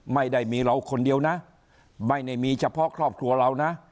ไม่ได้มีเราคนเดียวนะไม่ได้มีเฉพาะครอบครัวเรานะ